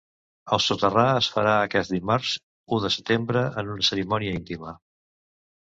El soterrar es farà aquest dimarts, u de setembre, en una cerimònia íntima.